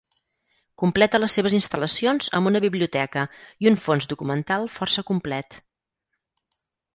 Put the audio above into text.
Completa les seves instal·lacions amb una biblioteca i un fons documental força complet.